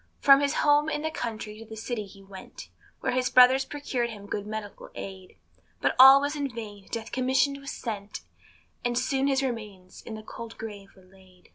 From his home in the country to the city he went, Where kind brothers procured him good medical aid; But all was in vain Death commissioned was sent, And soon his remains in the cold grave were laid.